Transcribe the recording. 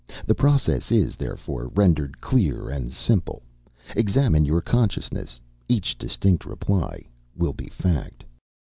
The process is, therefore, rendered clear and simple: examine your consciousness each distinct reply will be a fact.